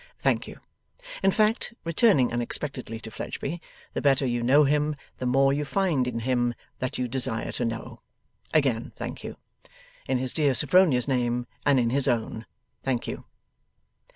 Thank you. In fact (returning unexpectedly to Fledgeby), the better you know him, the more you find in him that you desire to know. Again thank you! In his dear Sophronia's name and in his own, thank you!